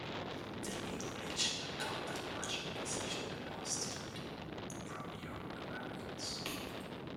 The new religion encountered much opposition and hostility from Euro-Americans.